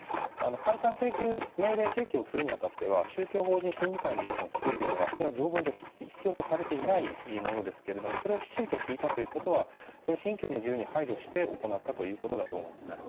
解散命令請求をするに当たっては宗教法人審議会の意見を聞くというのは条文上必要とされていないものですがそれをきちんと聞いたということは信教の自由に配慮して行ったということだと思います。